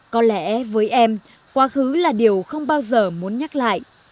có lẽ với em quá khứ là điều không bao giờ muốn nhắc lại